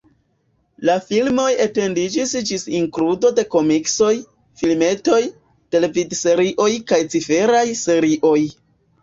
La filmoj etendiĝis ĝis inkludo de komiksoj, filmetoj, televidserioj kaj ciferecaj serioj.